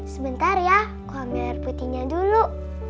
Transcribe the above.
sebentar ya aku ambil air putihnya dulu